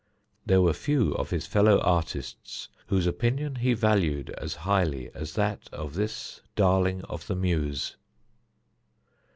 There were few of his fellow artists whose opinion he valued as highly as that of this darling of the Muse.